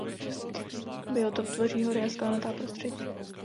Biotop tvoří hory a skalnatá prostředí.